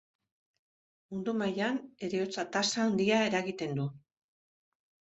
Mundu mailan, heriotza-tasa handia eragiten du.